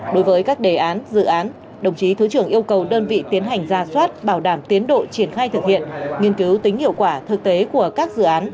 đối với các đề án dự án đồng chí thứ trưởng yêu cầu đơn vị tiến hành ra soát bảo đảm tiến độ triển khai thực hiện nghiên cứu tính hiệu quả thực tế của các dự án